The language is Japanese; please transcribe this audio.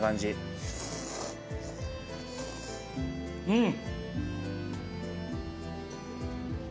うん。